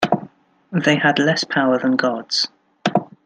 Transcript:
They had less power than gods.